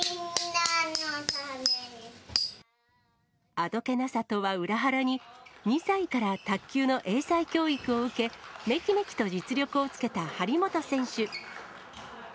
あどけなさとは裏腹に、２歳から卓球の英才教育を受け、めきめきと実力をつけた張本選手。